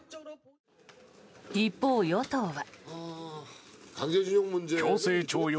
一方、与党は。